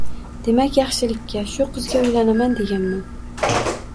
Demak, yaxshilikka. Shu qizga uylanaman”, deganman.